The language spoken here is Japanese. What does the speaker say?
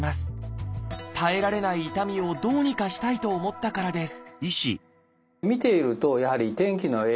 耐えられない痛みをどうにかしたいと思ったからです